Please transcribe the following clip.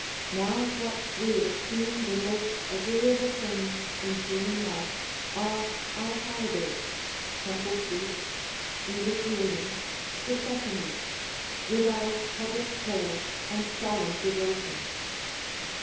Now Avhat we esteem the most agreeable things in human life are our holidays, temple feasts, initiatings, processionings, Λvith our public prayers and solemn devotions.